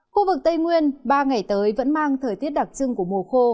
khu vực tây nguyên ba ngày tới vẫn mang thời tiết đặc trưng của mùa khô